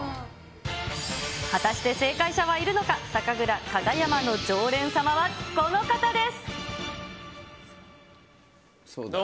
果たして正解者はいるのか、酒・喰・楽かがやまの常連さんはこの方です。